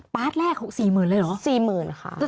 ปาร์ตแรกเขา๔๐๐๐๐บาทเลยเหรอ๔๐๐๐๐บาทค่ะ